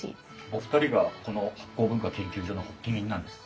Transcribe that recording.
お二人がこの醗酵文化研究所の発起人なんです。